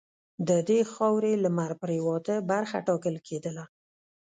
د دې خاورې لمرپرېواته برخه ټاکله کېدله.